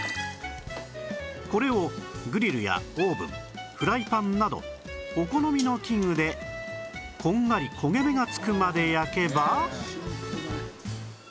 これをグリルやオーブンフライパンなどお好みの器具でこんがり焦げ目が付くまで焼けば